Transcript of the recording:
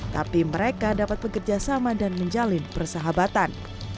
tapi mereka dapat bekerja sama dan menjalin persahabatan